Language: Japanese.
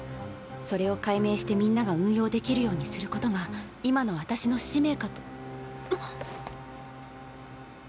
それを解明してみんなが運用できるようにすることが今の私の使命かとあっ。